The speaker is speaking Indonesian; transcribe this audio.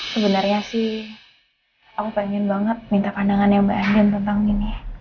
sebenarnya sih aku pengen banget minta pandangannya mbak andren tentang ini